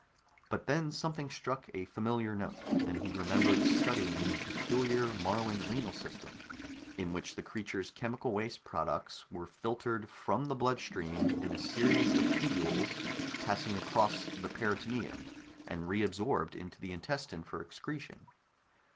But then something struck a familiar note, and he remembered studying the peculiar Moruan renal system, in which the creature's chemical waste products were filtered from the bloodstream in a series of tubules passing across the peritoneum, and re absorbed into the intestine for excretion.